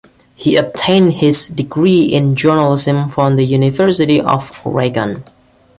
He obtained his degree in journalism from the University of Oregon.